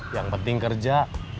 yang penting kerja